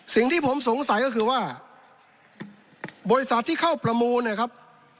สิ่งที่ผมสงสัยก็คือว่าบริษัทที่เข้าประมูลเนี่ยครับ